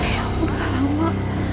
ya ampun kak rama